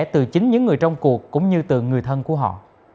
từ chính những người trong cuộc cũng như từ người thân của họ